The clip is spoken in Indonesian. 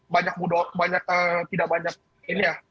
banyak budok banyak tidak banyak ini ya